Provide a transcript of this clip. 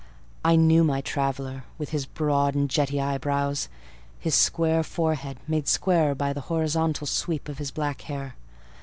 I knew my traveller with his broad and jetty eyebrows; his square forehead, made squarer by the horizontal sweep of his black hair.